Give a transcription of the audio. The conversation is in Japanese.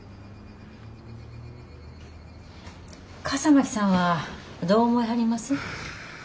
笠巻さんはどう思いはります？